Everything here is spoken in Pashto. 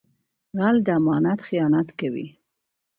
غل د امانت خیانت کوي